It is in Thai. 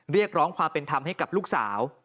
เรียกร้องความเป็นธรรมให้กับลูกสาว